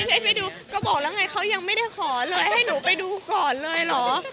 ให้ไปดูก็บอกแล้วไงเขายังไม่ได้ขอเลยให้หนูไปดูก่อนเลยเหรอ